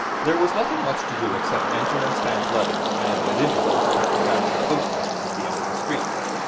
There was nothing much to do except enter and stamp letters, and, at intervals, take them down to the post office at the end of the street.